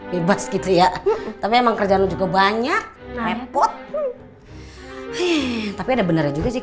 bebas gitu ya tapi emang kerjaan juga banyak repot tapi ada benarnya juga sih